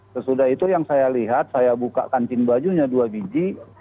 sesudah itu yang saya lihat saya buka kantin bajunya dua biji